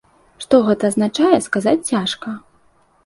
Што гэта азначае, сказаць цяжка.